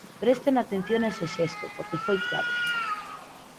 Presten atención a ese xesto, porque foi clave.